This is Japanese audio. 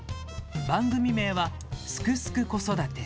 番組名は「すくすく子育て」。